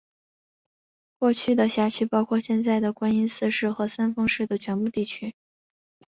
过去的辖区包含现在的观音寺市和三丰市的全部地区。